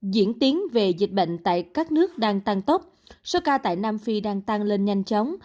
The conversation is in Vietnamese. diễn tiến về dịch bệnh tại các nước đang tăng tốc số ca tại nam phi đang tăng lên nhanh chóng